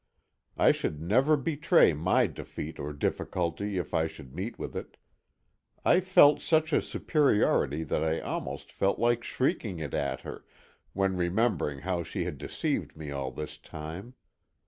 I should never betray my defeat or difficulty if I should meet with it. I felt such a superiority that I almost felt like shrieking it at her, when remembering how she has deceived me all this time.